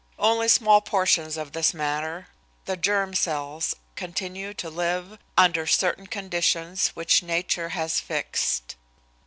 Only small portions of this matter, the germ cells, continue to live under certain conditions which nature has fixed.